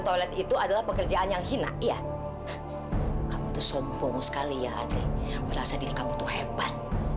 toilet itu adalah pekerjaan yang hina iya itu sombong sekali ya adik merasa diri kamu tuh hebat